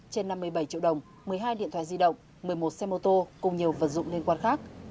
trên năm mươi bảy triệu đồng một mươi hai điện thoại di động một mươi một xe mô tô cùng nhiều vật dụng liên quan khác